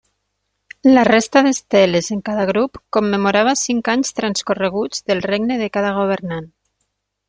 La resta d'esteles en cada grup commemorava cinc anys transcorreguts del regne de cada governant.